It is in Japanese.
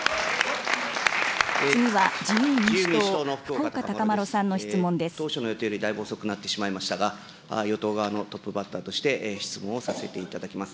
次は自由民主党、当初の予定でだいぶ遅くなってしまいましたが、与党側のトップバッターとして質問をさせていただきます。